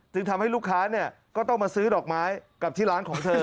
ทำให้ลูกค้าเนี่ยก็ต้องมาซื้อดอกไม้กับที่ร้านของเธอ